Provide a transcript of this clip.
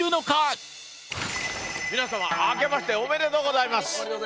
皆様明けましておめでとうございます。